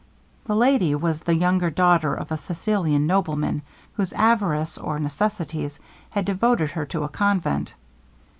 This lady was the younger daughter of a Sicilian nobleman, whose avarice, or necessities, had devoted her to a convent.